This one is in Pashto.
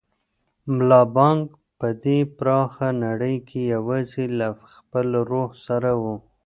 ملا بانګ په دې پراخه نړۍ کې یوازې له خپل روح سره و.